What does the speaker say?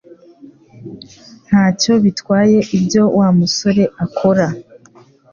Ntacyo bitwaye ibyo Wa musore akora